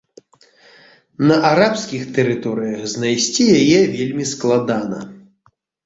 На арабскіх тэрыторыях знайсці яе вельмі складана.